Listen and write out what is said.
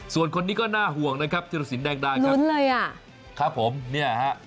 ส่วนคนนี้ก็น่าห่วงนะครับธุรกิจสินแดงด้านครับครับนี่ครับ